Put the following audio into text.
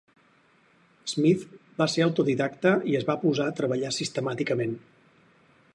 Smith va ser autodidacta i es va posar a treballar sistemàticament.